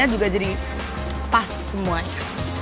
juga jadi pas semuanya